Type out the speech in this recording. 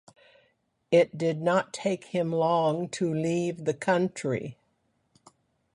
It did not take him long to leave the country.